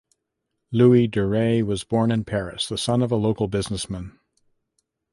Louis Durey was born in Paris, the son of a local businessman.